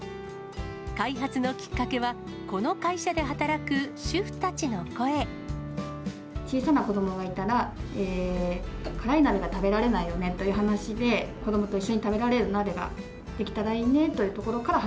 開発のきっかけは、小さな子どもがいたら、辛い鍋が食べられないよねという話で、子どもと一緒に食べられる鍋が出来たらいいねというところから始